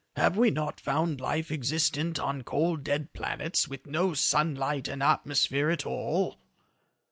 Have we not found life existent on cold, dead planets with no sunlight and atmosphere at all?"